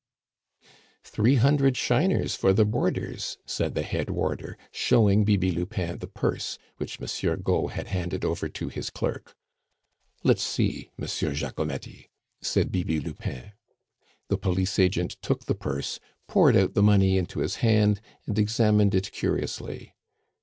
"Three hundred shiners for the boarders," said the head warder, showing Bibi Lupin the purse, which Monsieur Gault had handed over to his clerk. "Let's see, Monsieur Jacomety," said Bibi Lupin. The police agent took the purse, poured out the money into his hand, and examined it curiously.